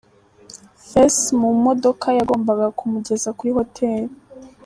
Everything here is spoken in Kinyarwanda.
Face mu modoka yagombaga kumugeza kuri Hotel.